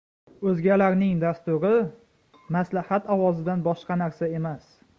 O‘zgalarning dasturi — maslahat ovozidan boshqa narsa emas.